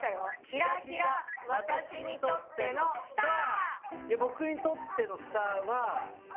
キラキラ私にとってのスター。